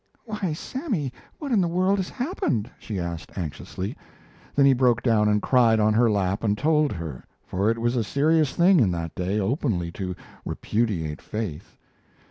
"Why, Sammy, what in the world has happened?" she asked, anxiously. Then he broke down and cried on her lap and told her, for it was a serious thing in that day openly to repudiate faith.